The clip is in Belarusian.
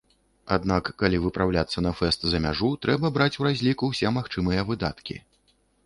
Аднак, калі выпраўляцца на фэст за мяжу, трэба браць у разлік усе магчымыя выдаткі.